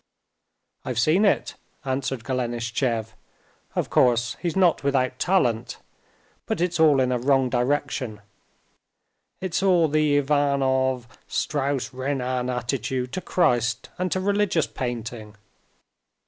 "I've seen it," answered Golenishtchev. "Of course, he's not without talent, but it's all in a wrong direction. It's all the Ivanov Strauss Renan attitude to Christ and to religious painting."